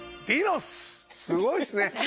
すごいっすね。